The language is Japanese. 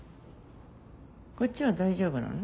こっちは大丈夫なの？